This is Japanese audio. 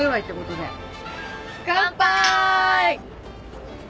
乾杯！